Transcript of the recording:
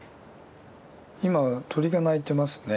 今鳥が鳴いてますね。